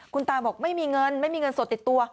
คุณตาบอกไม่มีเงินไม่มีเงินสดติดตัว